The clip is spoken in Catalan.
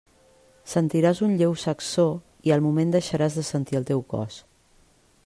Sentiràs un lleu sacsó i al moment deixaràs de sentir el teu cos.